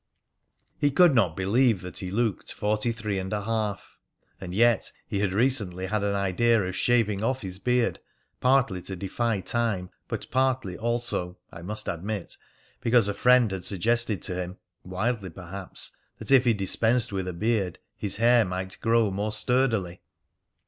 He could not believe that he looked forty three and a half. And yet he had recently had an idea of shaving off his beard, partly to defy time, but partly, also (I must admit), because a friend had suggested to him, wildly perhaps, that if he dispensed with a beard his hair might grow more sturdily.